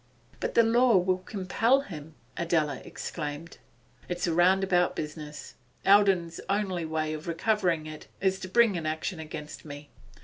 'But the law will compel him,' Adela exclaimed. 'It's a roundabout business. Eldon's only way of recovering it is to bring an action against me.